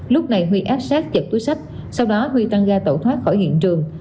lúc này huy áp sát giật túi sách sau đó huy tăng ra tẩu thoát khỏi hiện trường